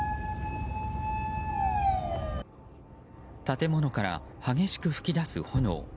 建物から激しく噴き出す炎。